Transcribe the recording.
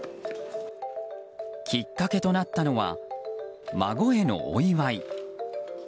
きっかけとなったのは孫へのお祝い。